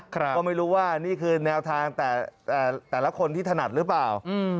ก็ไม่รู้ว่านี่คือแนวทางแต่ละคนที่ถนัดหรือเปล่า